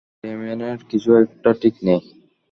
ডেমিয়েনের কিছু একটা ঠিক নেই!